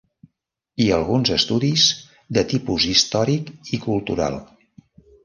I alguns estudis de tipus històric i cultural.